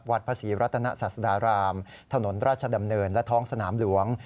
วัดพระศรีรัตนศาสดารามถนนราชดำเนินและท้องสนามหลวง